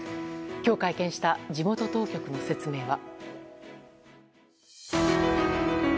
今日会見した地元当局の説明は。